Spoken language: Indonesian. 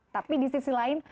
tapi di sisi lain